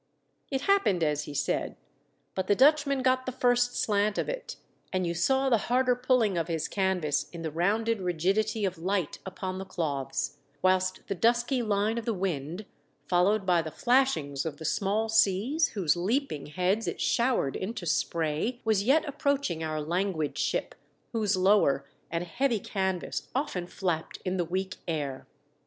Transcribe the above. It happened as he said ; but the Dutchman got the first slant of it, and you saw the harder pulling of his canvas in the rounded rigidity of light upon the cloths, whilst the dusky line of the wind, followed by the flash ings of the small seas, whose leaping heads it showered into spray, was yet approaching our languid ship, whose lower and heavy canvas often flapped in the weak air.